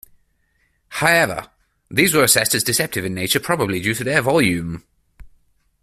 However, these were assessed as deceptive in nature probably due to their volume.